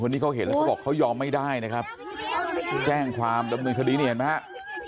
คนนี้เขาเห็นแล้วก็บอกเขายอมไม่ได้นะครับแจ้งความแล้วมึงทีนี้เห็นไหมฮะ